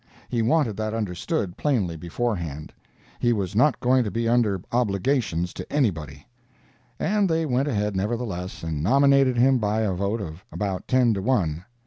He wanted that understood plainly beforehand—he was not going to be under obligations to anybody. And they went ahead, nevertheless, and nominated him by a vote of about ten to one.